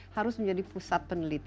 harus menjadi pusat penelitian